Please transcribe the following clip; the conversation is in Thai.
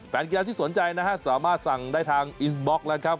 แฟนกีฬาที่สนใจนะฮะสามารถสั่งได้ทางอินสบล็อกแล้วครับ